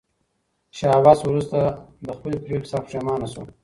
شاه عباس وروسته له خپلې پرېکړې سخت پښېمانه شو.